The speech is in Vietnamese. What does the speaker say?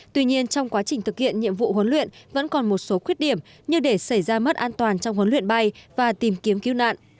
tuy nhiên trong quá trình thực hiện nhiệm vụ huấn luyện vẫn còn một số khuyết điểm như để xảy ra mất an toàn trong huấn luyện bay và tìm kiếm cứu nạn